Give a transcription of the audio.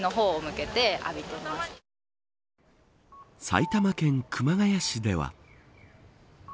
埼玉県熊谷市では。